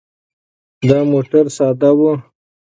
دا موټر ساده و.